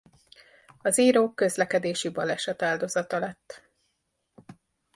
Az író közlekedési baleset áldozata lett.